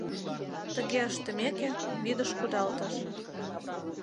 Тыге ыштымеке, вӱдыш кудалтыш.